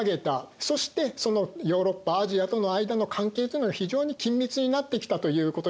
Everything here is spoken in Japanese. そしてそのヨーロッパアジアとの間の関係というのが非常に緊密になってきたということになります。